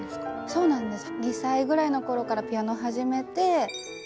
そうなんです。